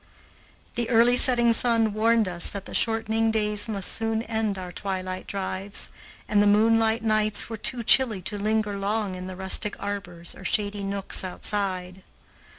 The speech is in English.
The early setting sun warned us that the shortening days must soon end our twilight drives, and the moonlight nights were too chilly to linger long in the rustic arbors or shady nooks outside.